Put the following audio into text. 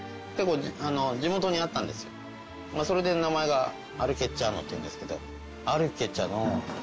それで名前が「アル・ケッチァーノ」っていうんですけど。